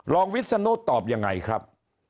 วิศนุตอบยังไงครับ